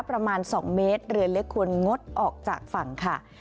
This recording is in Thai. ประมาณ๒เมตรเรือเล็กควรงดออกจากฝั่งค่ะ